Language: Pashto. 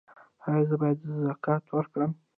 ایا زه باید زکات ورکړم؟